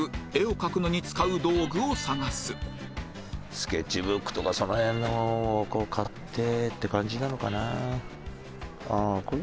スケッチブックとかその辺のをこう買ってって感じなのかな。